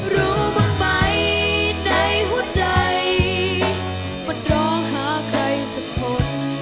รู้บ้างไหมในหัวใจมันร้องหาใครสักคน